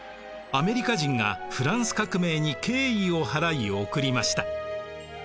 アメリカ人がフランス革命に敬意を払い贈りました。